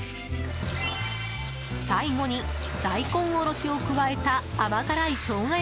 最後に大根おろしを加えた甘辛いショウガ